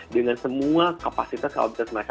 dengan semua kapasitas kapasitas mereka